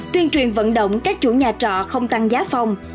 tuyên truyền vận động các chủ nhà trọ không tăng giá phòng